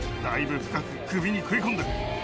だいぶ深く首に食い込んでる。